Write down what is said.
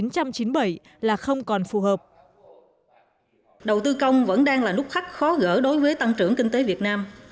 đầu tư công vẫn đang là nút thắt khó gỡ đối với tăng trưởng kinh tế việt nam